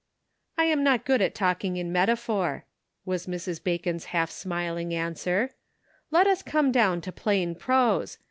" I am not good at talking in metaphor," was Mrs. Bacon's half smiling answer: "Let us come down to plain prose.